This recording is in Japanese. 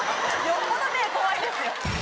よっぽど目怖いですよ。